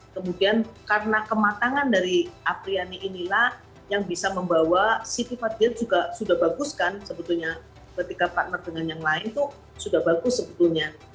kemudian karena kematangan dari apriani inilah yang bisa membawa siti fadil juga sudah bagus kan sebetulnya ketika partner dengan yang lain itu sudah bagus sebetulnya